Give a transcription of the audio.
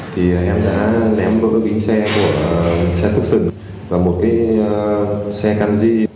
thì em đã lấy vỡ kính xe của xe tục xửng và một cái xe canxi